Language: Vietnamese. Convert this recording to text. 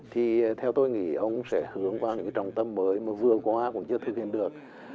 thì theo tôi nghĩ ông sẽ hướng vào những trọng tâm mới mà vừa qua cũng chưa thực hiện được